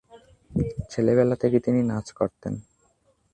ছেলেবেলা থেকেই তিনি নাচ করতেন।